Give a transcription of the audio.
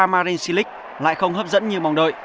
marin cilic lại không hấp dẫn như mong đợi